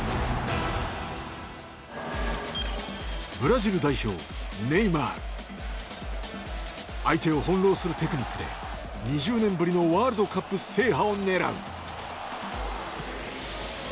ブラジル代表相手を翻弄するテクニックで２０年ぶりのワールドカップ制覇を狙う。